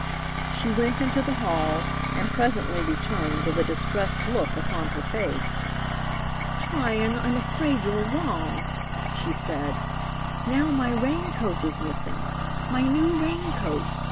She went into the hall, and presently returned with a distressed look upon her face. "Tryon, I'm afraid you're wrong," she said. "Now my rain coat is missing. My new rain coat!